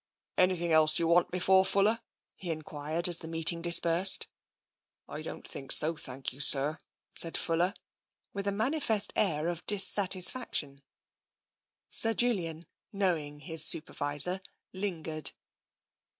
"Anything else you want me for. Fuller?'* he en quired, as the meeting dispersed. " I don't think so, thank you, sir,'' said Fuller, with a manifest air of dissatisfaction. 26 TENSION Sir Julian, knowing his Supervisor, lingered.